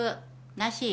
なし。